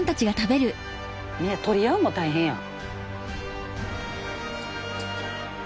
取り合うのも大変やん。